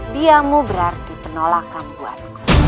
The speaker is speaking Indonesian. diamu berarti penolakan buat